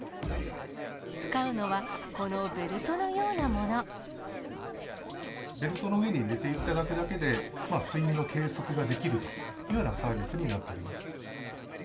使うのは、このベルトのようなもベルトの上に寝ていただくだけで、睡眠の計測ができるというようなサービスになっております。